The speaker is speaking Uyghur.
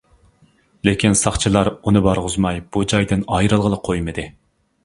لېكىن، ساقچىلار ئۇنى بارغۇزماي بۇ جايدىن ئايرىلغىلى قويمىدى.